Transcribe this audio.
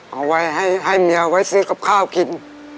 เอาไว้ให้เมียไว้ซื้อกับข้าวกิน